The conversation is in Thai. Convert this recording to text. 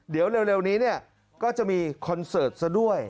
เดี๋ยวเร็วนี้เนี่ยก็จะมีคอนเสิร์ตซะด้วย